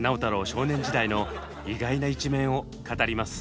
少年時代の意外な一面を語ります。